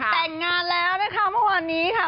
แต่งงานแล้วนะคะเมื่อวานนี้ค่ะ